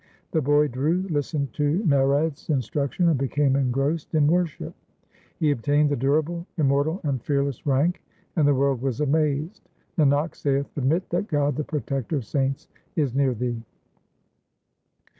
The boy Dhru listened to Narad's instruction, and became engrossed in worship ; He obtained the durable, immortal, and fearless rank, and the world was amazed. Nanak saith, admit that God the Protector of saints is near thee.